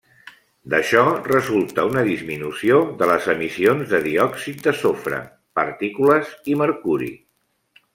D'això resulta una disminució de les emissions de diòxid de sofre, partícules i mercuri.